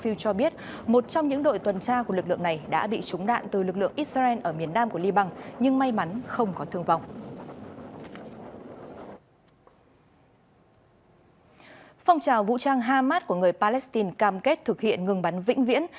lãnh đạo chính trị của phong trào vũ trang hamas của người palestine cam kết thực hiện ngừng bắn vĩnh viễn